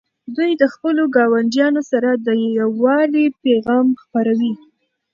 دوی د خپلو ګاونډیانو سره د یووالي پیغام خپروي.